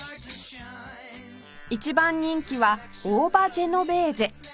一番人気は大葉ジェノベーゼ